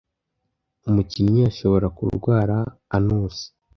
Umukinnyi ashobora kurwara anusi